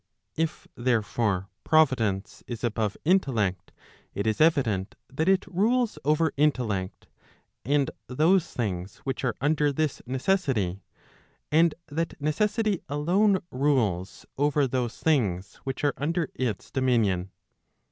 If therefore Providence is above intellect, it is evident that it rules over intellect, and those things which are under this necessity; and that necessity alone rules over those things which are under its dominion.